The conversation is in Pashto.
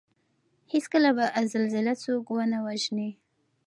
هېڅکله به زلزله څوک ونه وژني